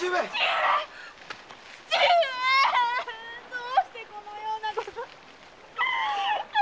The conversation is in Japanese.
どうしてこのようなことに！